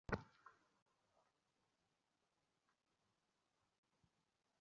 সেজন্য তাঁহাদিগকে আমরা ধন্যবাদ জানাইতেছি।